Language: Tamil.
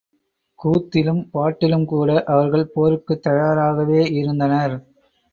கூத்திலும் பாட்டிலுங்கூட அவர்கள் போருக்குத் தயாராகவேயிருந்தனர்.